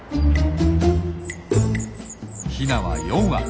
ヒナは４羽。